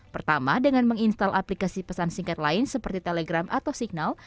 pertama dengan menginstal aplikasi pesan singkat lain seperti telegram atau signal